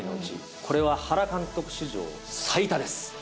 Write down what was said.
これは原監督史上最多です。